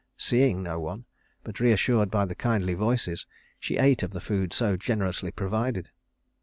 Seeing no one, but reassured by the kindly voices, she ate of the food so generously provided.